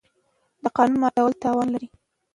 د قانون ماتول تاوان لري.